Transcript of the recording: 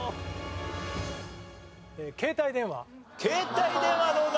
携帯電話どうだ？